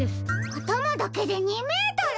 あたまだけで２メートル！？